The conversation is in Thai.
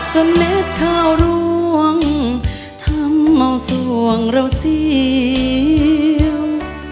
เม็ดข้าวร่วงทำเอาส่วงเราเสียว